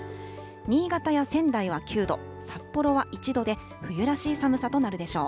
新潟や仙台は９度、札幌は１度で、冬らしい寒さとなるでしょう。